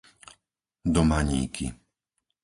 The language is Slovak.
Domaníky